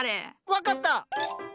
分かった！